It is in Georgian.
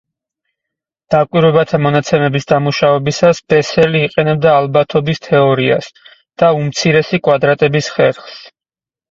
დაკვირვებათა მონაცემების დამუშავებისას ბესელი იყენებდა ალბათობის თეორიას და უმცირესი კვადრატების ხერხს.